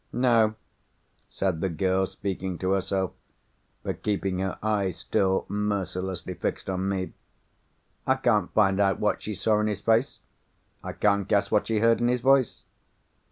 "No," said the girl, speaking to herself, but keeping her eyes still mercilessly fixed on me. "I can't find out what she saw in his face. I can't guess what she heard in his voice."